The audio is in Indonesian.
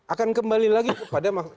akan kembali lagi kepada